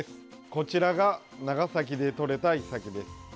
こちらが長崎で取れたイサキです。